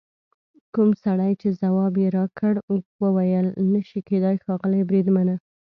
کوم سړي چې ځواب یې راکړ وویل: نه شي کېدای ښاغلي بریدمنه.